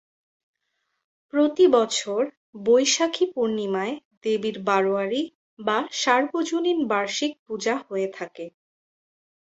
প্রতি বছর বৈশাখী পূর্ণিমায় দেবীর বারোয়ারি বা সার্বজনীন বার্ষিক পূজা হয়ে থাকে।